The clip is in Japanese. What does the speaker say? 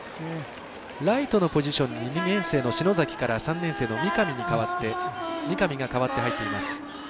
ライトのポジションに２年生の篠崎から３年生の三上が代わって入っています。